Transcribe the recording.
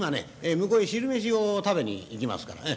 向こうへ昼飯を食べに行きますからええ。